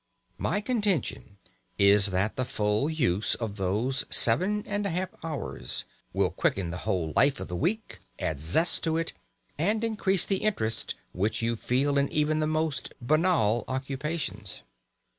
My contention is that the full use of those seven and a half hours will quicken the whole life of the week, add zest to it, and increase the interest which you feel in even the most banal occupations.